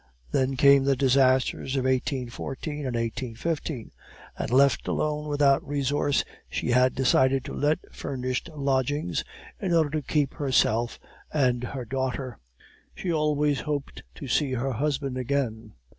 Then came the disasters of 1814 and 1815; and, left alone and without resource, she had decided to let furnished lodgings in order to keep herself and her daughter. "She always hoped to see her husband again.